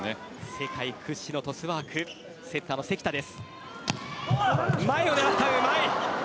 世界屈指のトスワークセッターの関田です。